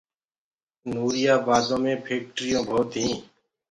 نوريآ بآدو مي ڦيڪٽريونٚ ڀوت هينٚ